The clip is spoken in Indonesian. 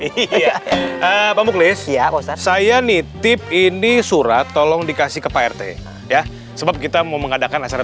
iya panggil saya nitip ini surat tolong dikasih ke pak rt ya gua kita mau mengadakan masalah